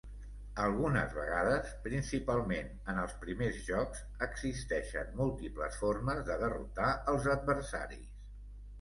Algunes vegades, principalment en els primers jocs, existeixen múltiples formes de derrotar als adversaris.